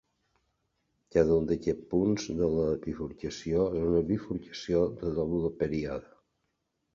Cada un d'aquests punts de la bifurcació és una bifurcació de doble període.